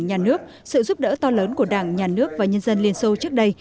nhà nước sự giúp đỡ to lớn của đảng nhà nước và nhân dân liên xô trước đây